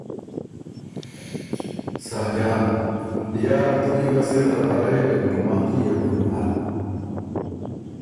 ساجان ـــ ”یار تُو دی ګۀ سِر خبر هې که ګلماتی يې ډُم هۀ“